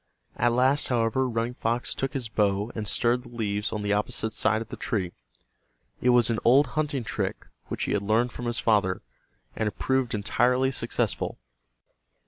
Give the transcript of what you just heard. At last, however, Running Fox took his bow and stirred the leaves on the opposite side of the tree. It was an old hunting trick which he had learned from his father, and it proved entirely successful.